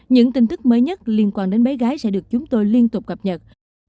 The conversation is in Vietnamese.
những tin tức mới nhất liên quan đến bé gái sẽ được chúng tôi liên tục cập nhật